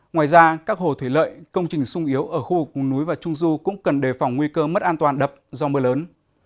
ngoài ra các hồ thủy lợi công trình sung yếu ở khu vực vùng núi và trung du cũng cần đề phòng nguy cơ mất an toàn đập do mưa lớn